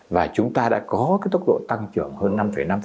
và chúng ta đã có tốc độ tăng trưởng hơn năm năm